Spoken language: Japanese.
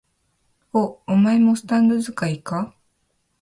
お、お前もスタンド使いか？